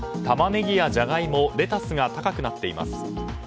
タマネギやジャガイモレタスが高くなっています。